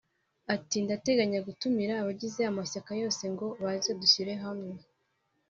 ati “Ndateganya gutumira abagize amashyaka yose ngo baze dushyire hamwe